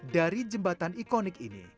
dari jembatan ikonik ini